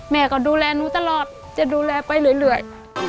แม่ก็ดูแลหนูตลอดจะดูแลไปเรื่อย